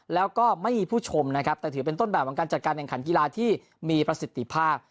แล้วก็ไม่มีผู้ชมนะครับแต่ถือเป็นต้นแบบของการจัดการแข่งขันกีฬาที่มีประสิทธิภาพ